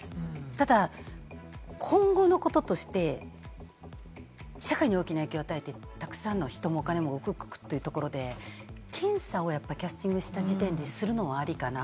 ただ今後のこととして、社会に大きな影響を与えて、たくさんの人もお金も動くというところで、検査をやっぱりキャスティングした時点でするのはありかな。